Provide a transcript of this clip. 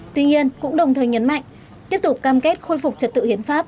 tuy nhiên cũng đồng thời nhấn mạnh tiếp tục cam kết khôi phục trật tự hiến pháp